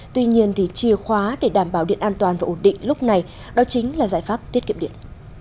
tuy nhiên chìa khóa để đảm bảo điện an toàn và ổn định lúc này đó chính là giải pháp tiết kiệm điện